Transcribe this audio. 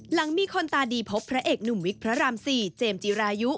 หลังมีคนตาดีพบพระเอกหนุ่มวิกพระราม๔เจมส์จิรายุ